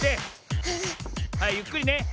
はいゆっくりね。